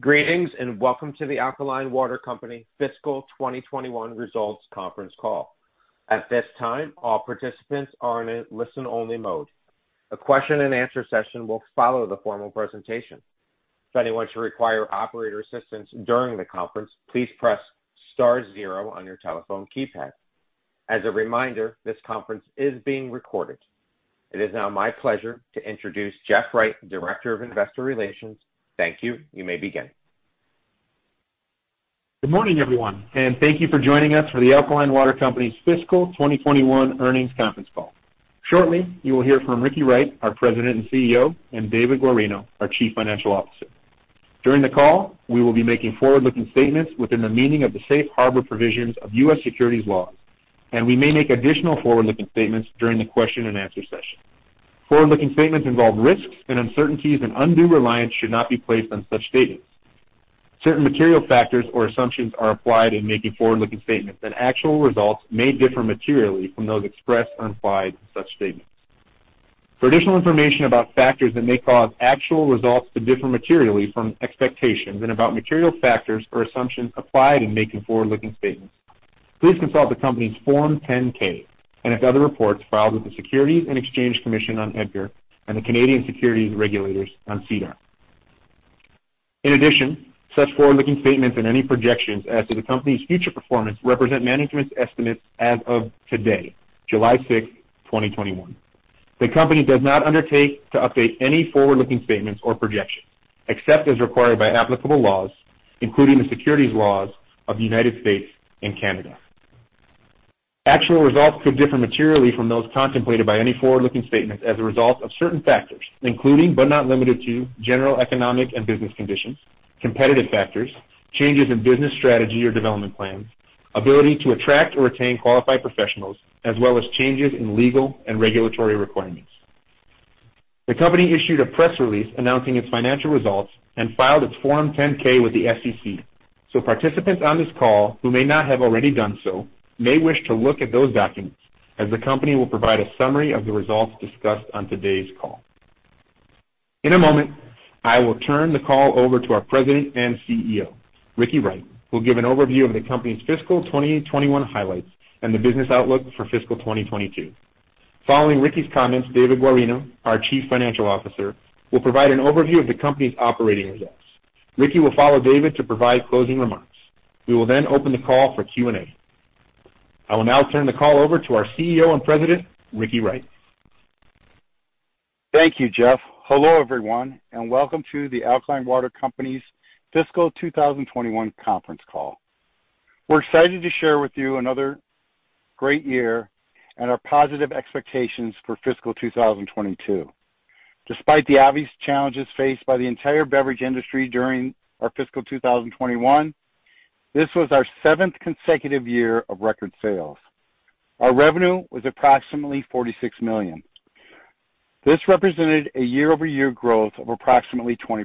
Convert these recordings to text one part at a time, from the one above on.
Greetings, welcome to The Alkaline Water Company Fiscal 2021 Results Conference Call. At this time, all participants are in a listen-only mode. A question and answer session will follow the formal presentation. If anyone should require operator assistance during the conference, please press star zero on your telephone keypad. As a reminder, this conference is being recorded. It is now my pleasure to introduce Jeff Wright, Director of Investor Relations. Thank you. You may begin. Good morning, everyone, thank you for joining us for The Alkaline Water Company's Fiscal 2021 Earnings Conference Call. Shortly, you will hear from Ricky Wright, our President and CEO, and David Guarino, our Chief Financial Officer. During the call, we will be making forward-looking statements within the meaning of the safe harbor provisions of U.S. securities laws, and we may make additional forward-looking statements during the question and answer session. Forward-looking statements involve risks and uncertainties, and undue reliance should not be placed on such statements. Certain material factors or assumptions are applied in making forward-looking statements, and actual results may differ materially from those expressed or implied in such statements. For additional information about factors that may cause actual results to differ materially from expectations and about material factors or assumptions applied in making forward-looking statements, please consult the company's Form 10-K and its other reports filed with the Securities and Exchange Commission on EDGAR and the Canadian securities regulators on SEDAR. In addition, such forward-looking statements and any projections as to the company's future performance represent management's estimates as of today, July 6, 2021. The company does not undertake to update any forward-looking statements or projections except as required by applicable laws, including the securities laws of the United States and Canada. Actual results could differ materially from those contemplated by any forward-looking statements as a result of certain factors, including, but not limited to, general economic and business conditions, competitive factors, changes in business strategy or development plans, ability to attract or retain qualified professionals, as well as changes in legal and regulatory requirements. The company issued a press release announcing its financial results, and filed its Form 10-K with the SEC. Participants on this call who may not have already done so may wish to look at those documents, as the company will provide a summary of the results discussed on today's call. In a moment, I will turn the call over to our President and CEO, Ricky Wright, who will give an overview of the company's fiscal 2021 highlights and the business outlook for fiscal 2022. Following Ricky's comments, David Guarino, our Chief Financial Officer, will provide an overview of the company's operating results. Ricky will follow David to provide closing remarks. We will open the call for Q&A. I will now turn the call over to our CEO and President, Ricky Wright. Thank you, Jeff. Hello, everyone, and welcome to The Alkaline Water Company's Fiscal 2021 conference call. We're excited to share with you another great year and our positive expectations for fiscal 2022. Despite the obvious challenges faced by the entire beverage industry during our fiscal 2021, this was our seventh consecutive year of record sales. Our revenue was approximately $46 million. This represented a year-over-year growth of approximately 20%.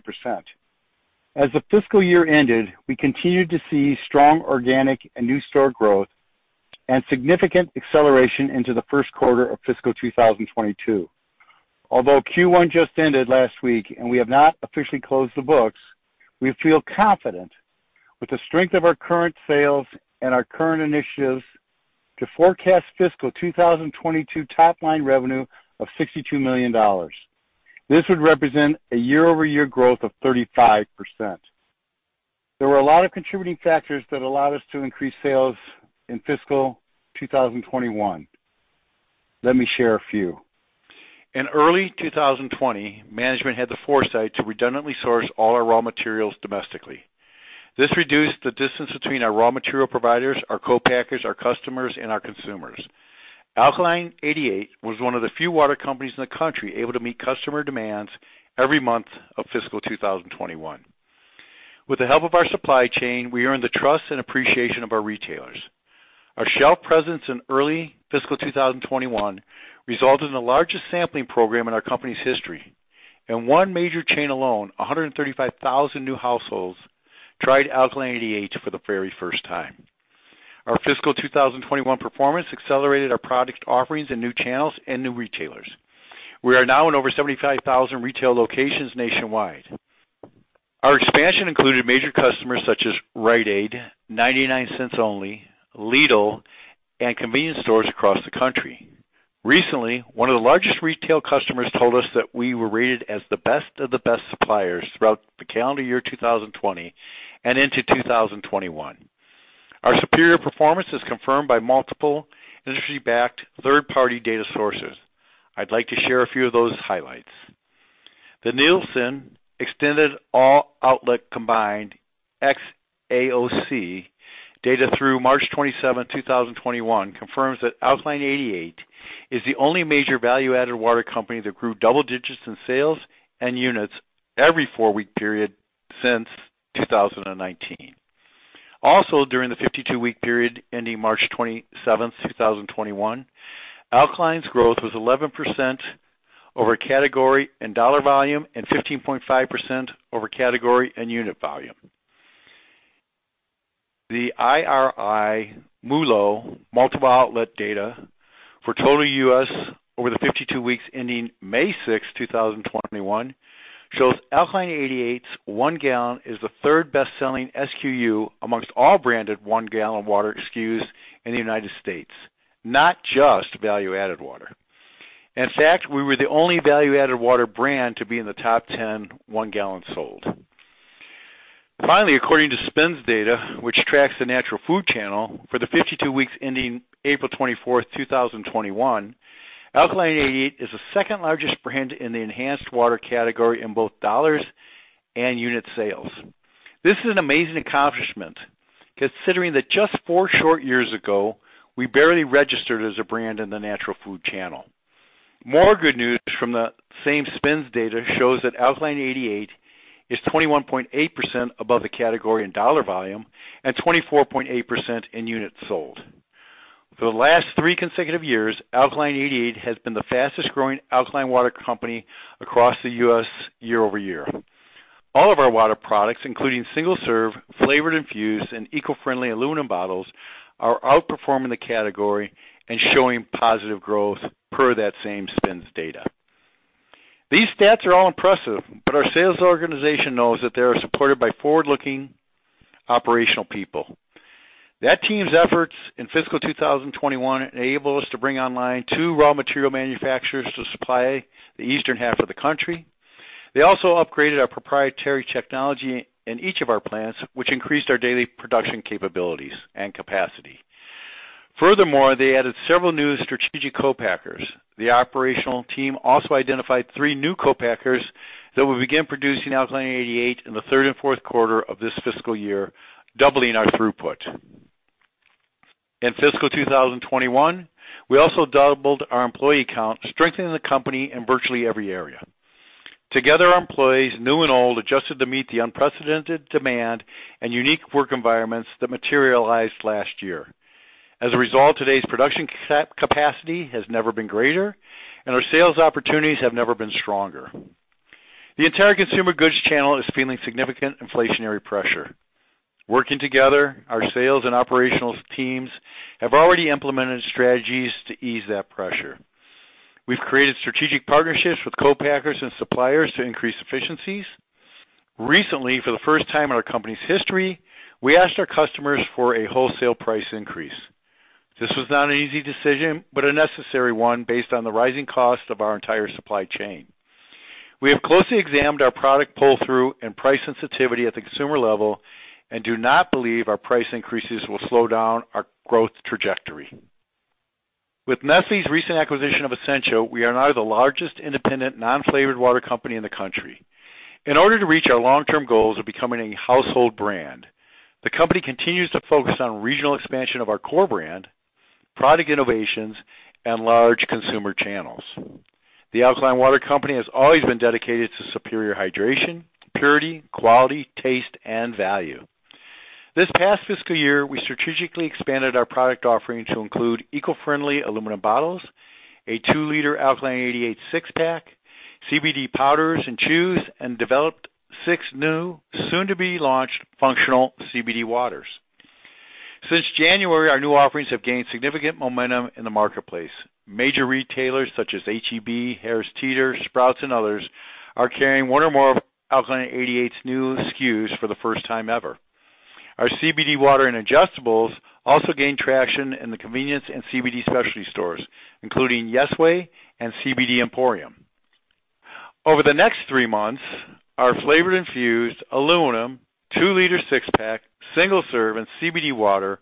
As the fiscal year ended, we continued to see strong organic and new store growth and significant acceleration into the first quarter of fiscal 2022. Although Q1 just ended last week and we have not officially closed the books, we feel confident with the strength of our current sales and our current initiatives to forecast fiscal 2022 top-line revenue of $62 million. This would represent a year-over-year growth of 35%. There were a lot of contributing factors that allowed us to increase sales in fiscal 2021. Let me share a few. In early 2020, management had the foresight to redundantly source all our raw materials domestically. This reduced the distance between our raw material providers, our co-packers, our customers, and our consumers. Alkaline88 was one of the few water companies in the country able to meet customer demands every month of fiscal 2021. With the help of our supply chain, we earned the trust and appreciation of our retailers. Our shelf presence in early fiscal 2021 resulted in the largest sampling program in our company's history. In one major chain alone, 135,000 new households tried Alkaline88 for the very first time. Our fiscal 2021 performance accelerated our product offerings in new channels and new retailers. We are now in over 75,000 retail locations nationwide. Our expansion included major customers such as Rite Aid, 99 Cents Only, Lidl, and convenience stores across the country. Recently, one of the largest retail customers told us that we were rated as the best of the best suppliers throughout the calendar year 2020 and into 2021. Our superior performance is confirmed by multiple industry-backed third-party data sources. I'd like to share a few of those highlights. The Nielsen Extended All Outlet Combined, XAOC, data through March 27, 2021, confirms that Alkaline88 is the only major value-added water company that grew double digits in sales and units every 4-week period since 2019. During the 52-week period ending March 27, 2021, Alkaline88's growth was 11% over category and dollar volume and 15.5% over category and unit volume. The IRI MULO data for total U.S. over the 52 weeks ending May 6, 2021, shows Alkaline88's 1 gallon is the third best-selling SKU amongst all branded 1-gallon water SKUs in the U.S., not just value-added water. In fact, we were the only value-added water brand to be in the top 10, 1 gallon sold. According to SPINS data, which tracks the natural food channel, for the 52 weeks ending April 24, 2021, Alkaline88 is the second-largest brand in the enhanced water category in both dollars and unit sales. This is an amazing accomplishment considering that just 4 short years ago, we barely registered as a brand in the natural food channel. More good news from the same SPINS data shows that Alkaline88 is 21.8% above the category in dollar volume and 24.8% in units sold. For the last three consecutive years, Alkaline88 has been the fastest-growing alkaline water company across the U.S. year-over-year. All of our water products, including single-serve, flavored infused, and eco-friendly aluminum bottles, are outperforming the category and showing positive growth per that same SPINS data. These stats are all impressive, but our sales organization knows that they are supported by forward-looking operational people. That team's efforts in fiscal 2021 enabled us to bring online two raw material manufacturers to supply the eastern half of the country. They also upgraded our proprietary technology in each of our plants, which increased our daily production capabilities and capacity. Furthermore, they added several new strategic co-packers. The operational team also identified three new co-packers that will begin producing Alkaline88 in the third and fourth quarter of this fiscal year, doubling our throughput. In fiscal 2021, we also doubled our employee count, strengthening the company in virtually every area. Together, our employees, new and old, adjusted to meet the unprecedented demand and unique work environments that materialized last year. As a result, today's production capacity has never been greater, and our sales opportunities have never been stronger. The entire consumer goods channel is feeling significant inflationary pressure. Working together, our sales and operational teams have already implemented strategies to ease that pressure. We've created strategic partnerships with co-packers and suppliers to increase efficiencies. Recently, for the first time in our company's history, we asked our customers for a wholesale price increase. This was not an easy decision, but a necessary one based on the rising cost of our entire supply chain. We have closely examined our product pull-through and price sensitivity at the consumer level and do not believe our price increases will slow down our growth trajectory. With Nestlé's recent acquisition of Essentia, we are now the largest independent non-flavored water company in the country. In order to reach our long-term goals of becoming a household brand, the company continues to focus on regional expansion of our core brand, product innovations, and large consumer channels. The Alkaline Water Company has always been dedicated to superior hydration, purity, quality, taste, and value. This past fiscal year, we strategically expanded our product offering to include eco-friendly aluminum bottles, a 2-liter Alkaline88 6-pack, CBD powders and chews, and developed 6 new soon-to-be-launched functional CBD waters. Since January, our new offerings have gained significant momentum in the marketplace. Major retailers such as H-E-B, Harris Teeter, Sprouts, and others are carrying one or more of Alkaline88's new SKUs for the first time ever. Our CBD water and ingestibles also gained traction in the convenience and CBD specialty stores, including Yesway and CBD Emporium. Over the next three months, our flavored infused, aluminum, 2-liter six-pack, single-serve, and CBD water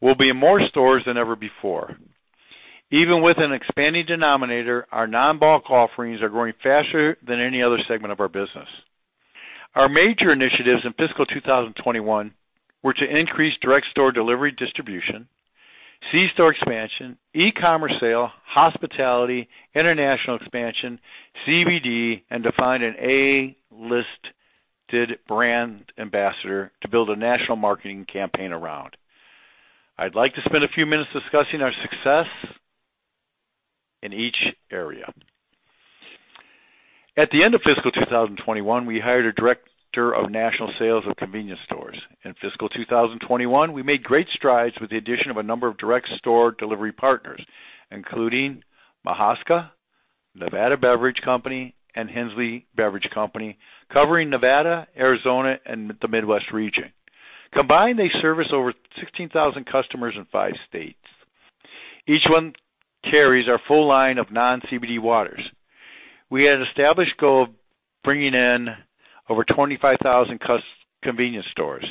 will be in more stores than ever before. Even with an expanding denominator, our non-bulk offerings are growing faster than any other segment of our business. Our major initiatives in fiscal 2021 were to increase direct store delivery distribution, C-store expansion, e-commerce sale, hospitality, international expansion, CBD, and to find an A-listed brand ambassador to build a national marketing campaign around. I'd like to spend a few minutes discussing our success in each area. At the end of fiscal 2021, we hired a director of national sales at convenience stores. In fiscal 2021, we made great strides with the addition of a number of direct store delivery partners, including Mahaska, Nevada Beverage Company, and Hensley Beverage Company, covering Nevada, Arizona, and the Midwest region. Combined, they service over 16,000 customers in five states. Each one carries our full line of non-CBD waters. We had an established goal of bringing in over 25,000 convenience stores.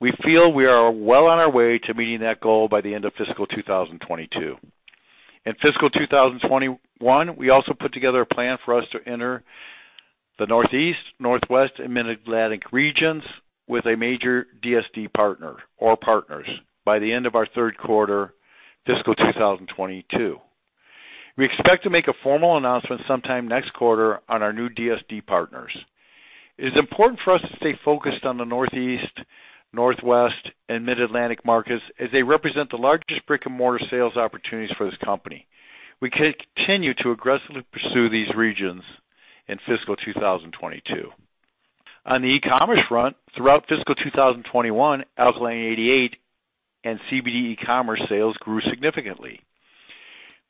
We feel we are well on our way to meeting that goal by the end of fiscal 2022. In fiscal 2021, we also put together a plan for us to enter the Northeast, Northwest, and Mid-Atlantic regions with a major DSD partner or partners by the end of our third quarter, fiscal 2022. We expect to make a formal announcement sometime next quarter on our new DSD partners. It is important for us to stay focused on the Northeast, Northwest, and Mid-Atlantic markets as they represent the largest brick-and-mortar sales opportunities for this company. We continue to aggressively pursue these regions in fiscal 2022. On the e-commerce front, throughout fiscal 2021, Alkaline88 and CBD e-commerce sales grew significantly.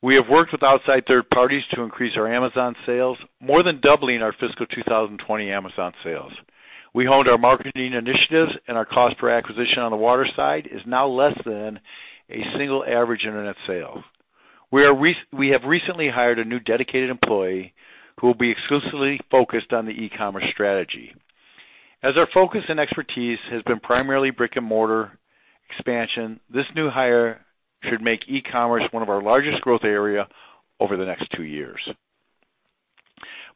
We have worked with outside third parties to increase our Amazon sales, more than doubling our fiscal 2020 Amazon sales. We honed our marketing initiatives, our cost per acquisition on the water side is now less than a single average internet sale. We have recently hired a new dedicated employee who will be exclusively focused on the e-commerce strategy. As our focus and expertise has been primarily brick-and-mortar expansion, this new hire should make e-commerce one of our largest growth area over the next two years.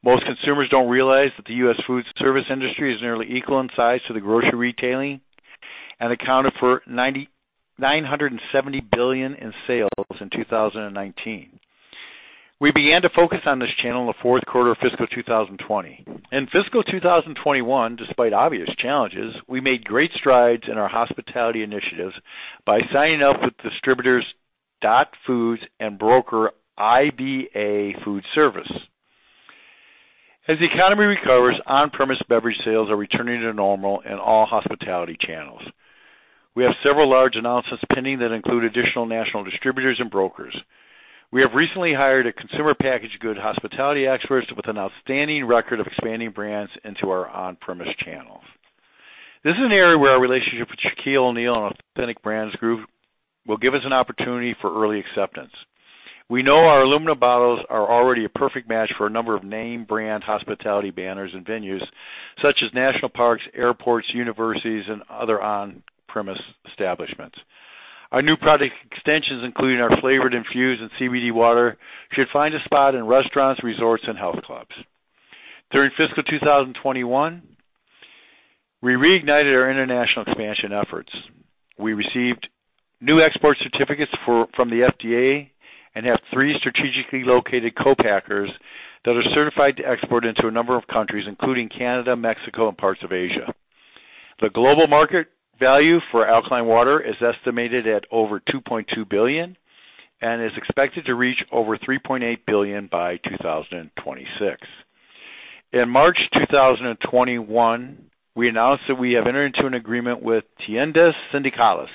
Most consumers don't realize that the U.S. foodservice industry is nearly equal in size to the grocery retailing and accounted for $970 billion in sales in 2019. We began to focus on this channel in the fourth quarter of fiscal 2020. In fiscal 2021, despite obvious challenges, we made great strides in our hospitality initiatives by signing up with distributors Dot Foods and broker IBA Foodservice. As the economy recovers, on-premise beverage sales are returning to normal in all hospitality channels. We have several large announcements pending that include additional national distributors and brokers. We have recently hired a consumer packaged goods hospitality expert with an outstanding record of expanding brands into our on-premise channels. This is an area where our relationship with Shaquille O'Neal and Authentic Brands Group will give us an opportunity for early acceptance. We know our aluminum bottles are already a perfect match for a number of name brand hospitality banners and venues such as national parks, airports, universities, and other on-premise establishments. Our new product extensions, including our flavored infused and CBD water, should find a spot in restaurants, resorts, and health clubs. During fiscal 2021, we reignited our international expansion efforts. We received new export certificates from the FDA and have three strategically located co-packers that are certified to export into a number of countries, including Canada, Mexico, and parts of Asia. The global market value for alkaline water is estimated at over $2.2 billion and is expected to reach over $3.8 billion by 2026. In March 2021, we announced that we have entered into an agreement with Tiendas Sindicales,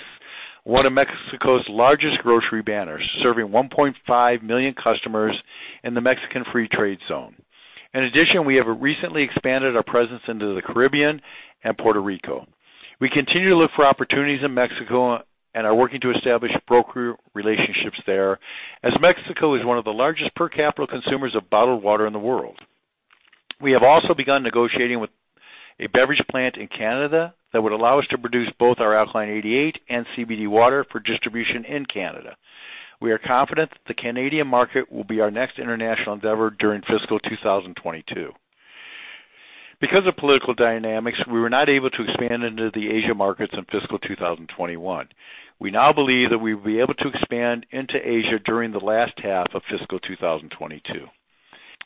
one of Mexico's largest grocery banners, serving 1.5 million customers in the Mexican Free Trade Zone. In addition, we have recently expanded our presence into the Caribbean and Puerto Rico. We continue to look for opportunities in Mexico and are working to establish broker relationships there, as Mexico is one of the largest per capita consumers of bottled water in the world. We have also begun negotiating with a beverage plant in Canada that would allow us to produce both our Alkaline88 and A88CBD Water for distribution in Canada. We are confident that the Canadian market will be our next international endeavor during fiscal 2022. Because of political dynamics, we were not able to expand into the Asia markets in fiscal 2021. We now believe that we will be able to expand into Asia during the last half of fiscal 2022.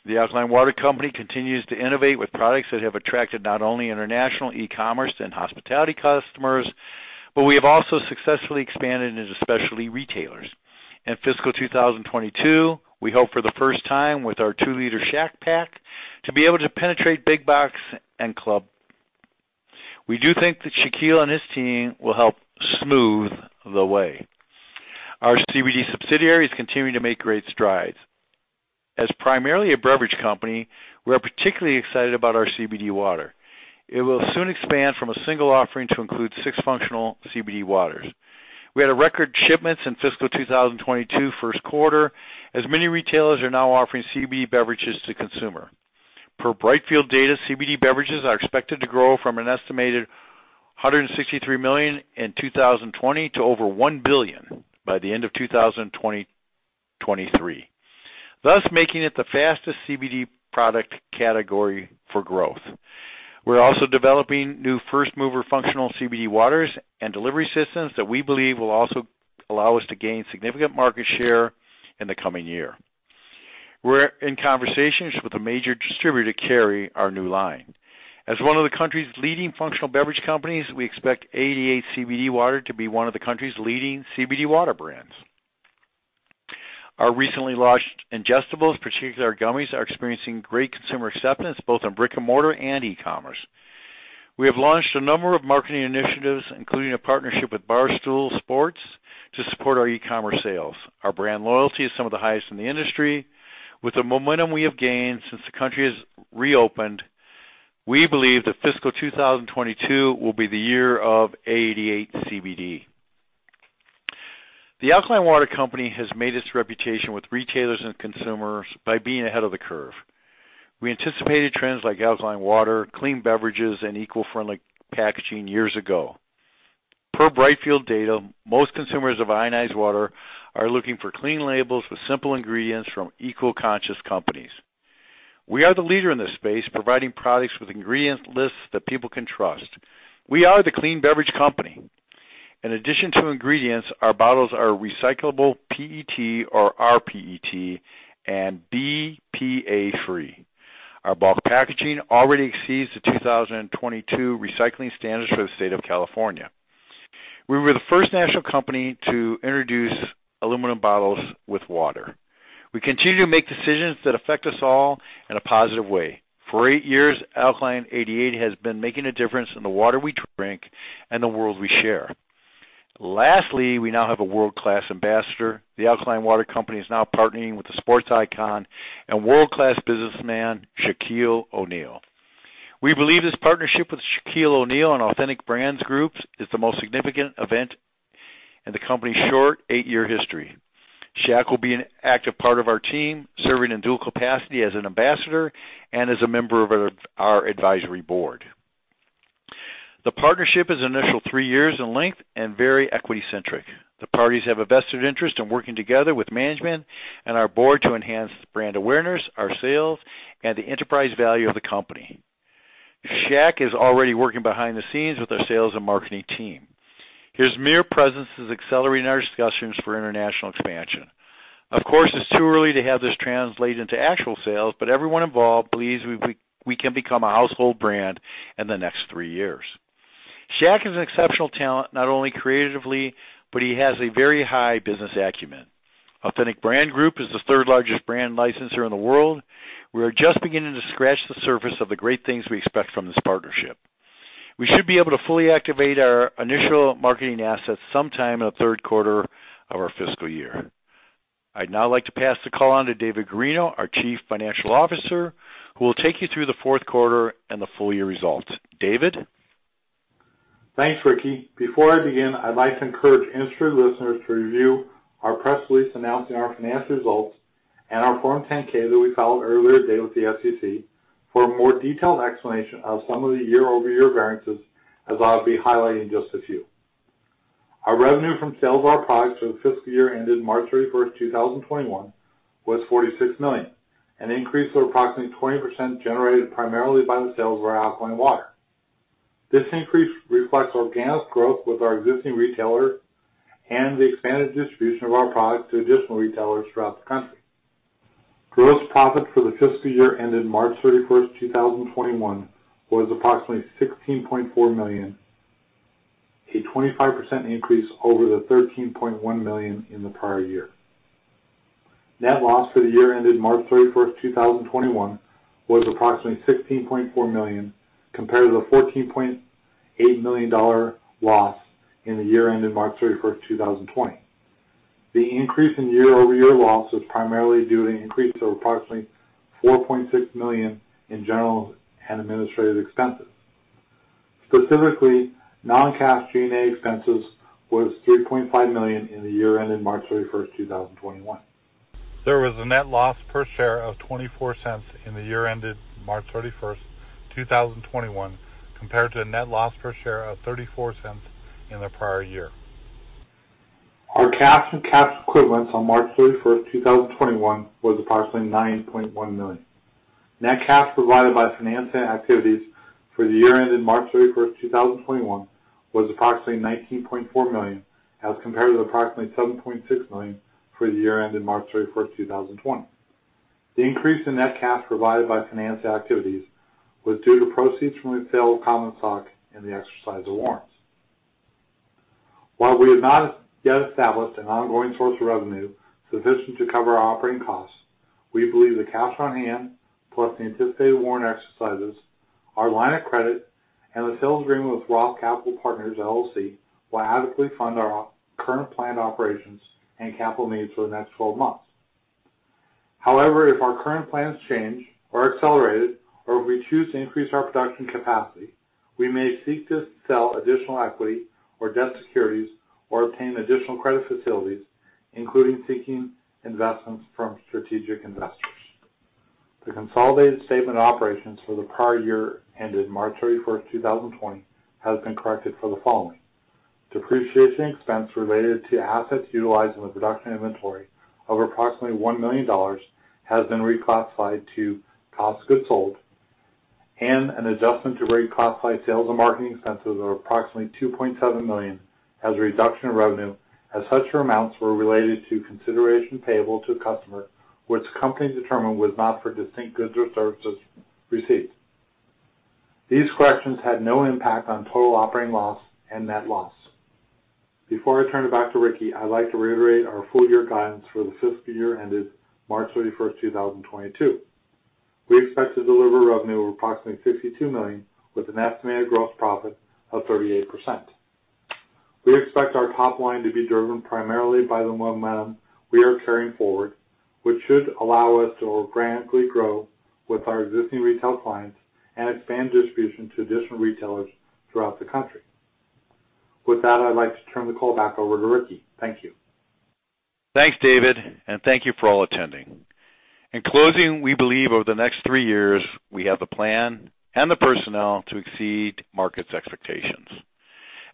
The Alkaline Water Company continues to innovate with products that have attracted not only international, e-commerce, and hospitality customers, but we have also successfully expanded into specialty retailers. In fiscal 2022, we hope for the first time with our 2-liter Shaq Pack to be able to penetrate big box and club. We do think that Shaquille and his team will help smooth the way. Our CBD subsidiaries continue to make great strides. As primarily a beverage company, we are particularly excited about our A88CBD Water. It will soon expand from a single offering to include six functional A88CBD Waters. We had a record shipment since fiscal 2022 first quarter, as many retailers are now offering CBD beverages to consumer. Per Brightfield data, CBD beverages are expected to grow from an estimated $163 million in 2020 to over $1 billion by the end of 2023, thus making it the fastest CBD product category for growth. We're also developing new first-mover functional CBD waters and delivery systems that we believe will also allow us to gain significant market share in the coming year. We're in conversations with a major distributor to carry our new line. As one of the country's leading functional beverage companies, we expect A88CBD Water to be one of the country's leading CBD water brands. Our recently launched ingestibles, particularly our gummies, are experiencing great consumer acceptance both in brick-and-mortar and e-commerce. We have launched a number of marketing initiatives, including a partnership with Barstool Sports, to support our e-commerce sales. Our brand loyalty is some of the highest in the industry. With the momentum we have gained since the country has reopened, we believe that fiscal 2022 will be the year of A88CBD. The Alkaline Water Company has made its reputation with retailers and consumers by being ahead of the curve. We anticipated trends like alkaline water, clean beverages, and eco-friendly packaging years ago. Per Brightfield data, most consumers of ionized water are looking for clean labels with simple ingredients from eco-conscious companies. We are the leader in this space, providing products with ingredient lists that people can trust. We are the clean beverage company. In addition to ingredients, our bottles are recyclable PET or rPET and BPA-free. Our bottle packaging already exceeds the 2022 recycling standards for the state of California. We were the first national company to introduce aluminum bottles with water. We continue to make decisions that affect us all in a positive way. For eight years, Alkaline88 has been making a difference in the water we drink and the world we share. Lastly, we now have a world-class ambassador. The Alkaline Water Company is now partnering with a sports icon and world-class businessman, Shaquille O'Neal. We believe this partnership with Shaquille O'Neal and Authentic Brands Group is the most significant event in the company's short eight-year history. Shaq will be an active part of our team, serving in dual capacity as an ambassador and as a member of our advisory board. The partnership is initial three years in length and very equity-centric. The parties have a vested interest in working together with management and our board to enhance brand awareness, our sales, and the enterprise value of the company. Shaq is already working behind the scenes with our sales and marketing team. His mere presence is accelerating our discussions for international expansion. Of course, it's too early to have this translate into actual sales, but everyone involved believes we can become a household brand in the next three years. Shaq is an exceptional talent, not only creatively, but he has a very high business acumen. Authentic Brands Group is the third-largest brand licensor in the world. We are just beginning to scratch the surface of the great things we expect from this partnership. We should be able to fully activate our initial marketing assets sometime in the third quarter of our fiscal year. I'd now like to pass the call on to David Guarino, our Chief Financial Officer, who will take you through the fourth quarter and the full year results. David? Thanks, Ricky. Before I begin, I'd like to encourage interested listeners to review our press release announcing our financial results and our Form 10-K that we filed earlier today with the SEC for a more detailed explanation of some of the year-over-year variances, as I'll be highlighting just a few. Our revenue from sales of our products for the fiscal year ended March 31st, 2021, was $46 million, an increase of approximately 20% generated primarily by the sale of our alkaline water. This increase reflects organic growth with our existing retailer and the expanded distribution of our product to additional retailers throughout the country. Gross profit for the fiscal year ended March 31st, 2021, was approximately $16.4 million, a 25% increase over the $13.1 million in the prior year. Net loss for the year ended March 31st, 2021, was approximately $16.4 million, compared to the $14.8 million loss in the year ended March 31st, 2020. The increase in year-over-year loss was primarily due to an increase of approximately $4.6 million in general and administrative expenses. Specifically, non-cash G&A expenses was $3.5 million in the year ended March 31st, 2021. There was a net loss per share of $0.24 in the year ended March 31st, 2021, compared to a net loss per share of $0.34 in the prior year. Our cash and cash equivalents on March 31st, 2021, was approximately $9.1 million. Net cash provided by financing activities for the year ended March 31st, 2021, was approximately $19.4 million as compared to approximately $7.6 million for the year ended March 31st, 2020. The increase in net cash provided by financing activities was due to proceeds from the sale of common stock and the exercise of warrants. While we have not yet established an ongoing source of revenue sufficient to cover our operating costs, we believe the cash on hand, plus the anticipated warrant exercises, our line of credit, and the sales agreement with Roth Capital Partners, LLC will adequately fund our current planned operations and capital needs for the next 12 months. If our current plans change or are accelerated, or if we choose to increase our production capacity, we may seek to sell additional equity or debt securities or obtain additional credit facilities, including seeking investments from strategic investors. The consolidated statement of operations for the prior year ended March 31st, 2020, has been corrected for the following. Depreciation expense related to assets utilized in the production of inventory of approximately $1 million has been reclassified to cost of goods sold. An adjustment to reclassify sales and marketing expenses of approximately $2.7 million as a reduction in revenue, as such amounts were related to consideration payable to a customer, which the company determined was not for distinct goods or services received. These corrections had no impact on total operating loss and net loss. Before I turn it back to Ricky, I'd like to reiterate our full-year guidance for the fiscal year ended March 31st, 2022. We expect to deliver revenue of approximately $52 million with an estimated gross profit of 38%. We expect our top line to be driven primarily by the momentum we are carrying forward, which should allow us to organically grow with our existing retail clients and expand distribution to additional retailers throughout the country. With that, I'd like to turn the call back over to Ricky. Thank you. Thanks, David, and thank you for all attending. In closing, we believe over the next three years, we have the plan and the personnel to exceed market expectations.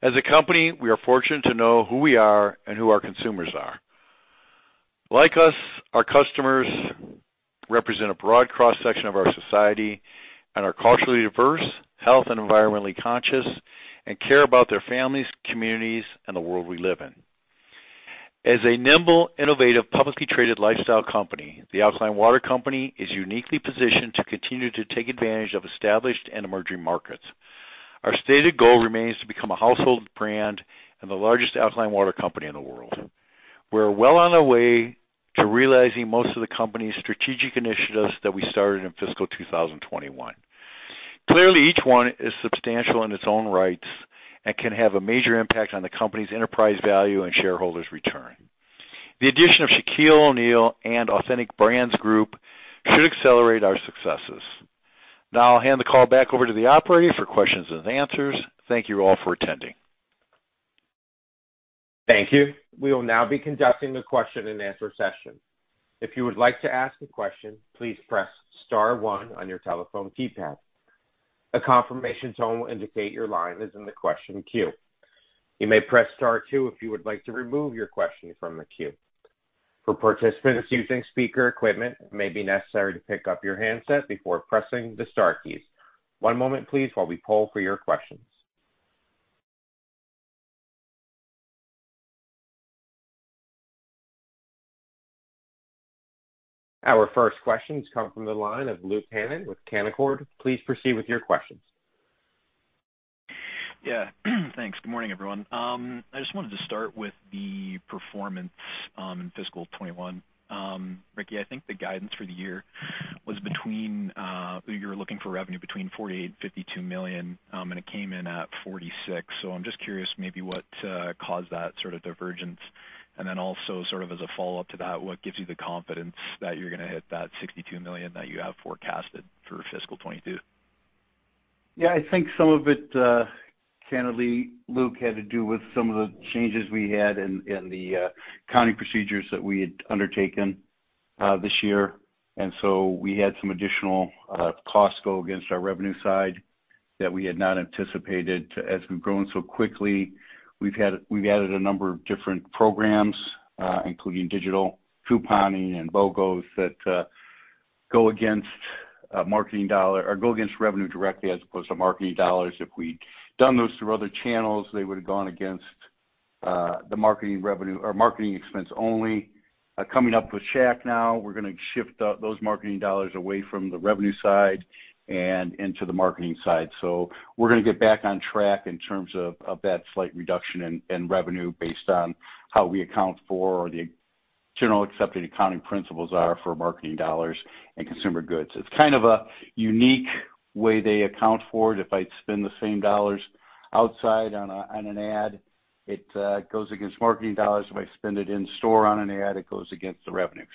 As a company, we are fortunate to know who we are and who our consumers are. Like us, our customers represent a broad cross-section of our society and are culturally diverse, health and environmentally conscious, and care about their families, communities, and the world we live in. As a nimble, innovative, publicly traded lifestyle company, The Alkaline Water Company is uniquely positioned to continue to take advantage of established and emerging markets. Our stated goal remains to become a household brand and the largest alkaline water company in the world. We are well on our way to realizing most of the company's strategic initiatives that we started in fiscal 2021. Clearly, each one is substantial in its own rights and can have a major impact on the company's enterprise value and shareholders' return. The addition of Shaquille O'Neal and Authentic Brands Group should accelerate our successes. I'll hand the call back over to the operator for questions and answers. Thank you all for attending. Thank you. We will now be conducting the question and answer session. If you would like to ask a question, please press star, one on your telephone keypad. A confirmation tone will indicate your line is in the question queue. You may press star, two if you would like to remove your question from the queue. For participants using speaker equipment, it may be necessary to pick up your handset before pressing the star keys. One moment, please, while we poll for your questions. Our first question comes from the line of Luke Hannan with Canaccord. Please proceed with your questions. Yeah, thanks. Good morning, everyone. I just wanted to start with the performance in fiscal 2021. Ricky Wright, I think the guidance for the year was you're looking for revenue between $48 million-$52 million, and it came in at $46 million. I'm just curious maybe what caused that sort of divergence, and then also sort of as a follow-up to that, what gives you the confidence that you're going to hit that $52 million that you have forecasted for fiscal 2022? I think some of it, candidly, Luke, had to do with some of the changes we had and the accounting procedures that we had undertaken this year, and so we had some additional costs go against our revenue side that we had not anticipated. As we've grown so quickly, we've added a number of different programs, including digital couponing and BOGOs, that go against revenue directly as opposed to marketing dollars. If we'd done those through other channels, they would've gone against the marketing expense only. Coming up with Shaq now, we're going to shift those marketing dollars away from the revenue side and into the marketing side. We're going to get back on track in terms of that slight reduction in revenue based on how we account for or the generally accepted accounting principles are for marketing dollars and consumer goods. It's kind of a unique way they account for it. If I spend the same dollars outside on an ad, it goes against marketing dollars. If I spend it in-store on an ad, it goes against the revenue.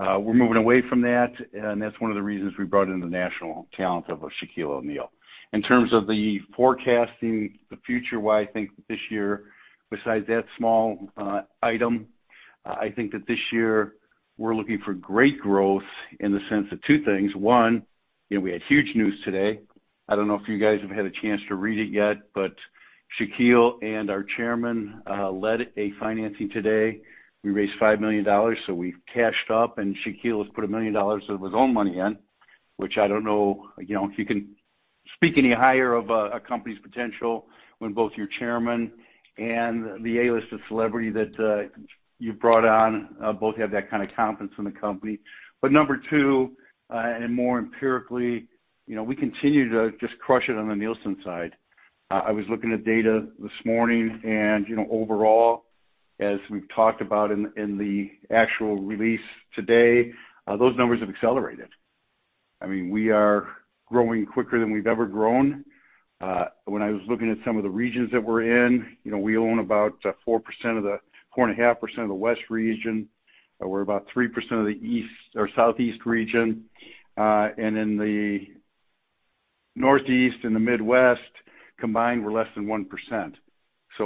We're moving away from that, and that's one of the reasons we brought in the national talent of Shaquille O'Neal. In terms of the forecasting the future, why I think this year, besides that small item, I think that this year we're looking for great growth in the sense of two things. One, we had huge news today. I don't know if you guys have had a chance to read it yet, but Shaquille and our chairman led a financing today. We raised $5 million. We've cashed up. Shaquille has put $1 million of his own money in, which I don't know if you can speak any higher of a company's potential when both your chairman and the A-list celebrity that you've brought on both have that kind of confidence in the company. Number two, and more empirically, we continue to just crush it on the Nielsen side. I was looking at data this morning. Overall, as we've talked about in the actual release today, those numbers have accelerated. We are growing quicker than we've ever grown. When I was looking at some of the regions that we're in, we own about 4.5% of the West region. We're about 3% of the Southeast region. In the Northeast and the Midwest combined, we're less than 1%.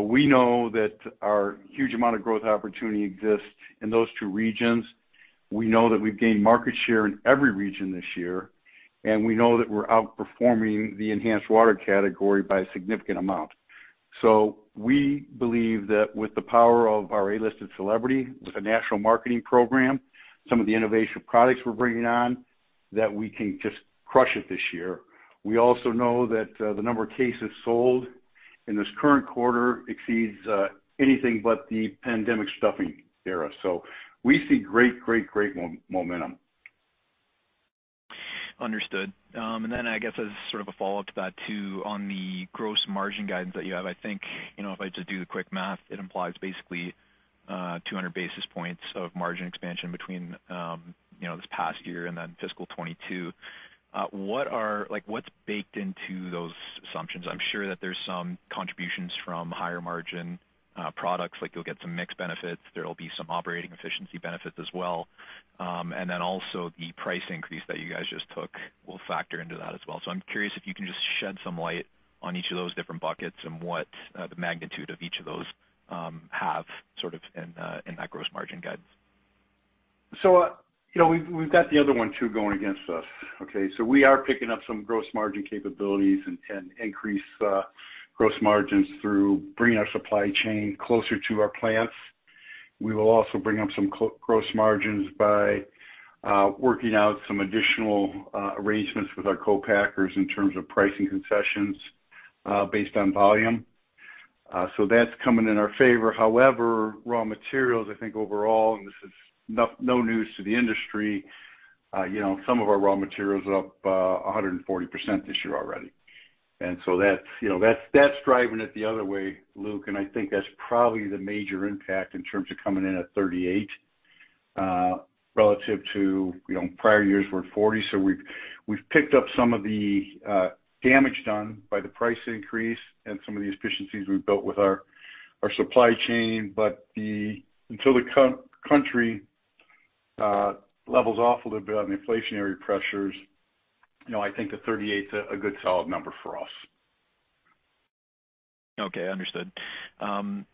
We know that a huge amount of growth opportunity exists in those two regions. We know that we've gained market share in every region this year, and we know that we're outperforming the enhanced water category by a significant amount. We believe that with the power of our A-listed celebrity, with a national marketing program, some of the innovation products we're bringing on, that we can just crush it this year. We also know that the number of cases sold in this current quarter exceeds anything but the pandemic stuffing era. We see great, great momentum. Understood. Then I guess as sort of a follow-up to that, too, on the gross margin guidance that you have, I think, if I just do the quick math, it implies basically 200 basis points of margin expansion between this past year and then fiscal 2022. What's baked into those assumptions? I'm sure that there's some contributions from higher margin products, like you'll get some mix benefits, there'll be some operating efficiency benefits as well. Then also the price increase that you guys just took will factor into that as well. I'm curious if you can just shed some light on each of those different buckets and what the magnitude of each of those have sort of in that gross margin guide. We've got the other one, too, going against us, okay? We are picking up some gross margin capabilities and increase gross margins through bringing our supply chain closer to our plants. We will also bring up some gross margins by working out some additional arrangements with our co-packers in terms of pricing concessions. Based on volume. That's coming in our favor. However, raw materials, I think overall, and this is no news to the industry, some of our raw materials are up 140% this year already. That's driving it the other way, Luke, and I think that's probably the major impact in terms of coming in at 38% relative to prior years were 40%. We've picked up some of the damage done by the price increase and some of the efficiencies we've built with our supply chain. Until the country levels off a little bit on inflationary pressures, I think the 38's a good solid number for us. Okay. Understood.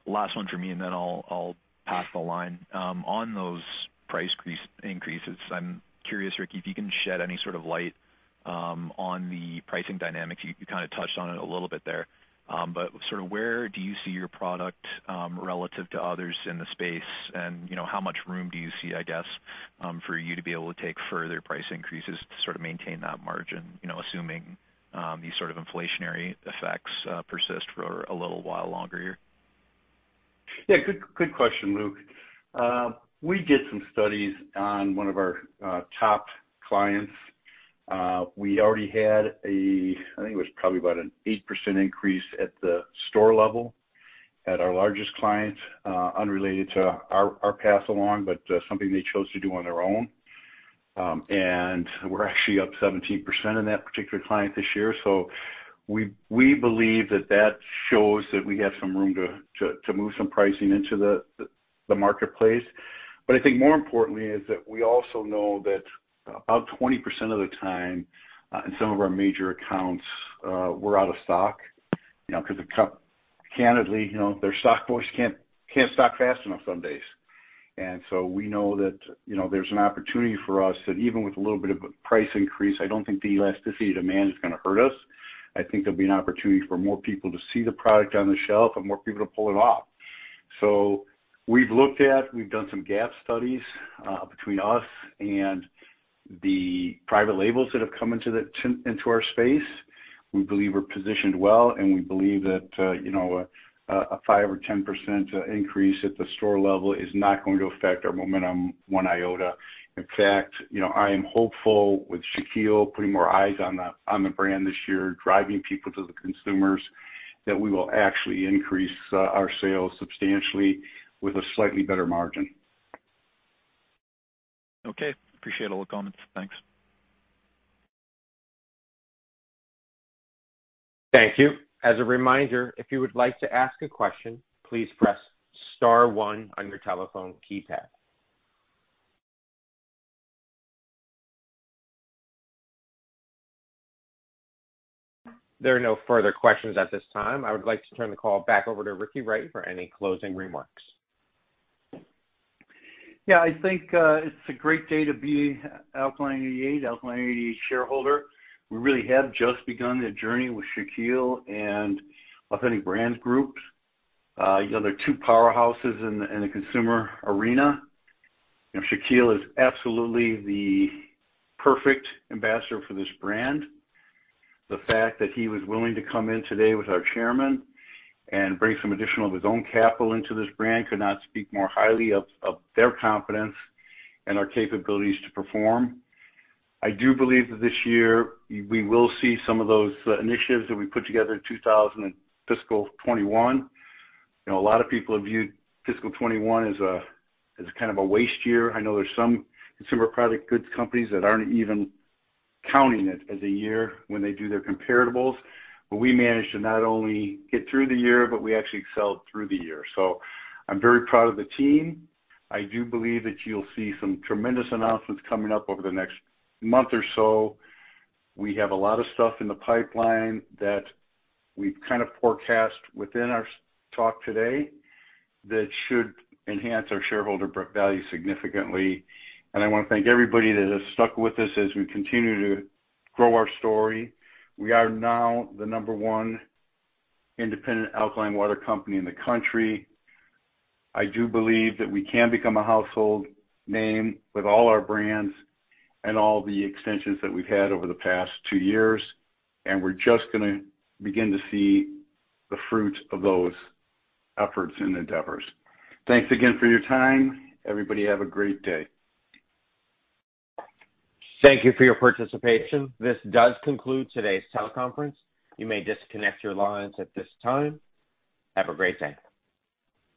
Last one for me, and then I'll pass the line. On those price increases, I'm curious, Ricky, if you can shed any sort of light on the pricing dynamic. You kind of touched on it a little bit there. Sort of where do you see your product relative to others in the space, and how much room do you see, I guess, for you to be able to take further price increases to sort of maintain that margin, assuming these sort of inflationary effects persist for a little while longer here? Yeah. Good question, Luke. We did some studies on one of our top clients. We already had, I think it was probably about an 8% increase at the store level at our largest client, unrelated to our pass-along, but something they chose to do on their own. We're actually up 17% in that particular client this year. We believe that that shows that we have some room to move some pricing into the marketplace. I think more importantly is that we also know that about 20% of the time in some of our major accounts, we're out of stock because candidly, their stockboys can't stock fast enough some days. We know that there's an opportunity for us that even with a little bit of a price increase, I don't think the elasticity of demand is going to hurt us. I think there'll be an opportunity for more people to see the product on the shelf and more people to pull it off. We've done some gap studies between us and the private labels that have come into our space. We believe we're positioned well, and we believe that a 5% or 10% increase at the store level is not going to affect our momentum one iota. In fact, I am hopeful with Shaquille putting more eyes on the brand this year, driving people to the consumers, that we will actually increase our sales substantially with a slightly better margin. Okay. Appreciate all the comments. Thanks. Thank you if you'd like to ask a question, please press star on your telephone keypad. There are no further questions at this time. I would like to turn the call back over to Ricky Wright for any closing remarks. Yeah, I think it's a great day to be an Alkaline88 shareholder. We really have just begun a journey with Shaquille and Authentic Brands Group. They're two powerhouses in the consumer arena. Shaquille is absolutely the perfect ambassador for this brand. The fact that he was willing to come in today with our chairman and bring some additional of his own capital into this brand could not speak more highly of their confidence in our capabilities to perform. I do believe that this year we will see some of those initiatives that we put together in fiscal 2021. A lot of people have viewed fiscal 2021 as kind of a waste year. I know there's some consumer product goods companies that aren't even counting it as a year when they do their comparables. We managed to not only get through the year, but we actually excelled through the year. I'm very proud of the team. I do believe that you'll see some tremendous announcements coming up over the next month or so. We have a lot of stuff in the pipeline that we've kind of forecast within our talk today that should enhance our shareholder value significantly. I want to thank everybody that has stuck with us as we continue to grow our story. We are now the number one independent alkaline water company in the country. I do believe that we can become a household name with all our brands and all the extensions that we've had over the past two years, and we're just going to begin to see the fruits of those efforts and endeavors. Thanks again for your time. Everybody have a great day. Thank you for your participation. This does conclude today's teleconference. You may disconnect your lines at this time. Have a great day.